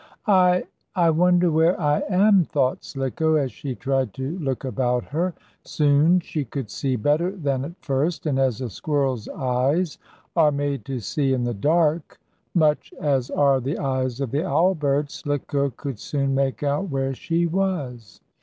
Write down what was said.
"I I wonder where I am," thought Slicko, as she tried to look about her. Soon she could see better than at first, and, as a squirrel's eyes are made to see in the dark, much as are the eyes of the owl bird, Slicko could soon make out where she was.